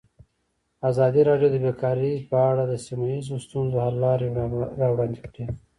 ازادي راډیو د بیکاري په اړه د سیمه ییزو ستونزو حل لارې راوړاندې کړې.